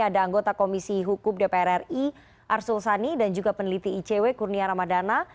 ada anggota komisi hukum dpr ri arsul sani dan juga peneliti icw kurnia ramadana